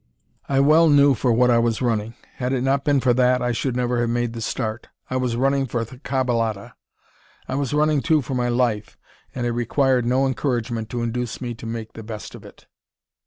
I well knew for what I was running. Had it not been for that, I should never have made the start. I was running for the caballada. I was running, too, for my life, and I required no encouragement to induce me to make the best of it.